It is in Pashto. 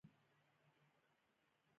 پۀ ذهني توګه تيار ساتو -